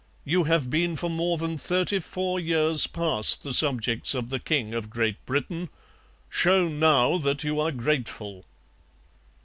You have been for more than thirty four years past the subjects of the King of Great Britain... Show now that you are grateful.'